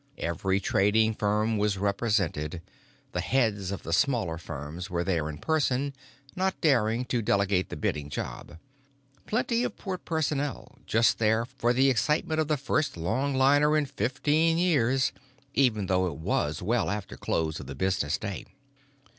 Every trading firm was represented; the heads of the smaller firms were there in person, not daring to delegate the bidding job. Plenty of Port personnel, just there for the excitement of the first longliner in fifteen years, even though it was well after close of the business day.